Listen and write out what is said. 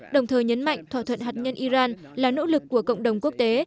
đồng thời nhấn mạnh thỏa thuận hạt nhân iran là nỗ lực của cộng đồng quốc tế